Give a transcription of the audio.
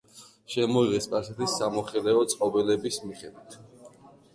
შემოიღეს სპარსეთის სამოხელეო წყობილების მიხედვით.